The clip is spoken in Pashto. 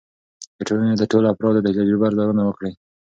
د ټولنې د ټولو افرادو د تجربو ارزونه وکړئ.